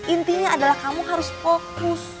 intinya adalah kamu harus fokus